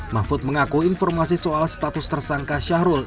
mahfud mengaku informasi soal status tersangka syahrul